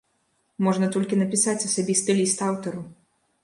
Можна толькі напісаць асабісты ліст аўтару.